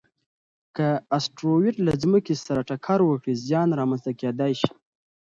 که اسټروېډ له ځمکې سره ټکر وکړي، زیان رامنځته کېدای شي.